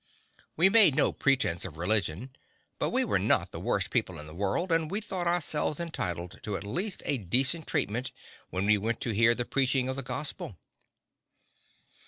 We made no pretence of religion, but we were not the worst people in the world, and we thought ourselves entitled to at least decent treatment when we went to hear the preaching of the gospel.